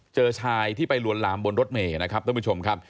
เจอชายที่ไปลวนลามบนรถเมย์นะครับท่านผู้ชมครับ